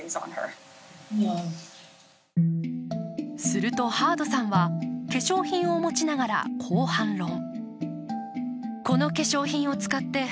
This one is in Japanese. するとハードさんは化粧品を持ちながら、こう反論。